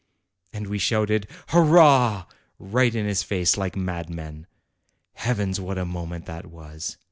And we shouted, 'Hurrah!' right in his face, like madmen. Heavens, what a moment that was!